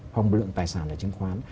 phòng lượng tài sản là chứng khoán